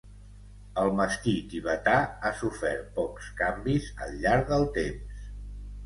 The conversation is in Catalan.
El Mastí Tibetà ha sofert pocs canvis al llarg del temps.